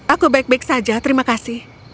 aku baik baik saja terima kasih